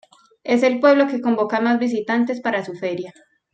Es el pueblo que convoca más visitantes para su feria.